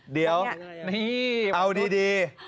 เดี๋ยวเอาดี